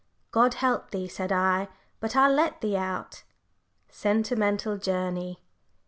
'God help thee,' said I; 'but I'll let thee out.'" _Sentimental Journey.